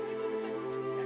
hidupan untuk kita